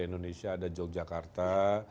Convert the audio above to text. indonesia ada yogyakarta